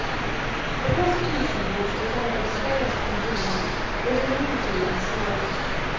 The persecution which Latona experienced from Juno is alluded to in the story.